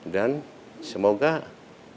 dan semoga pelajaran ini bisa dikonsumsi